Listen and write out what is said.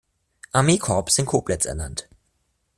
Armee-Korps in Koblenz ernannt.